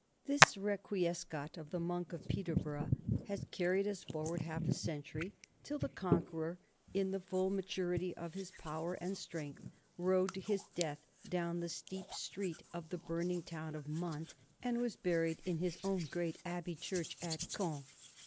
This Requiescat of the monk of Peterborough has carried us forward half a century, till the Conqueror, in the full maturity of his power and strength, rode to his death down the steep street of the burning town of Mantes and was buried in his own great abbey church at Caen.